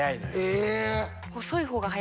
え？